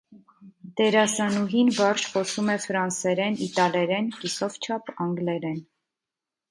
Դերասանուհին վարժ խոսում է ֆրանսերեն, իտալերեն, կիսով չափ՝ անգլերեն։